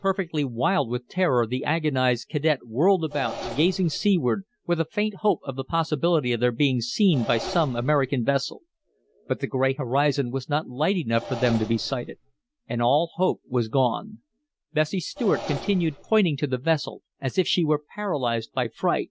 Perfectly wild with terror the agonized cadet whirled about, gazing seaward, with a faint hope of the possibility of there being seen by some American vessel. But the gray horizon was not light enough for them to be sighted. And all hope was gone. Bessie Stuart continued pointing to the vessel as if she were paralyzed by fright.